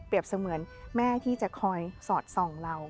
เสมือนแม่ที่จะคอยสอดส่องเรา